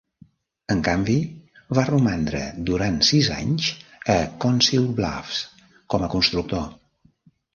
En canvi, va romandre durant sis anys a Council Bluffs com a constructor.